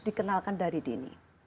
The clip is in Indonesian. dikenalkan dari dini